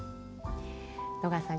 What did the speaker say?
野川さん